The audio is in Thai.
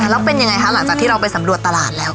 แล้วเป็นยังไงคะหลังจากที่เราไปสำรวจตลาดแล้ว